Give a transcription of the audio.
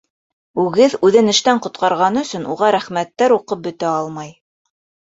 Үгеҙ үҙен эштән ҡотҡарғаны өсөн уға рәхмәттәр уҡып бөтә алмай.